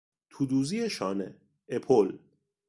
تودوزی شانه، اپل